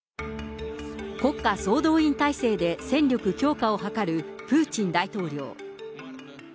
国家総動員態勢で戦力強化を図るプーチン大統領。